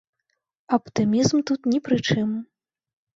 Аптымізм тут ні пры чым.